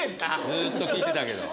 ずっと聞いてたんだ。